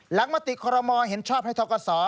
หลังมติขอรมมองเห็นชอบให้ท้องก่อสอ